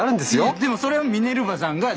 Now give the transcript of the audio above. いっでもそれはミネルヴァさんが。